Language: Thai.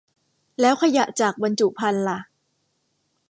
แล้วขยะจากบรรจุภัณฑ์ล่ะ